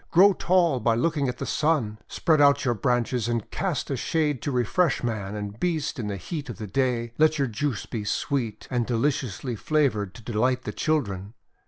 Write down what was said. Grow tall by looking at the Sun. Spread out your branches and cast a shade to refresh man and beast in the heat of the day. Let your juice be sweet and deliciously flavoured to delight the children.